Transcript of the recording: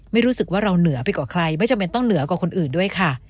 ไม่รู้สึกว่าเราเหนือไปกว่าใครไม่จำเป็นต้องเหนือกว่าคนอื่นด้วยค่ะ